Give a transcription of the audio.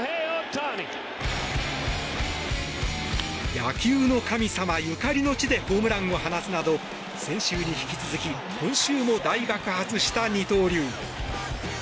野球の神様ゆかりの地でホームランを放つなど先週に引き続き今週も大爆発した二刀流。